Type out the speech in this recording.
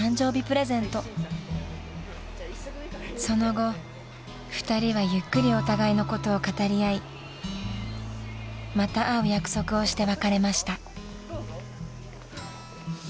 ［その後２人はゆっくりお互いのことを語り合いまた会う約束をして別れました］